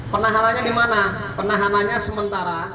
penahanannya di mana penahanannya sementara